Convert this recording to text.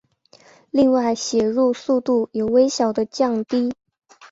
另外写入速度有微小的降低。